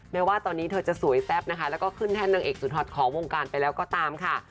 แม้ว่าตอนนี้เธอจะสวยแซ่บนะคะแล้วก็ขึ้นแท่นนางเอกสุดฮอตของวงการไปแล้วก็ตามค่ะ